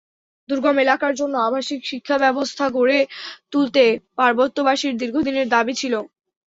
দুর্গম এলাকার জন্য আবাসিক শিক্ষাব্যবস্থা গড়ে তুলতে পার্বত্যবাসীর দীর্ঘদিনের দাবি ছিল।